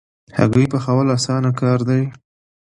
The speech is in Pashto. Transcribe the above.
هګۍ پخول اسانه کار دی